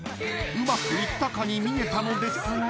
うまくいったかに見えたのですが］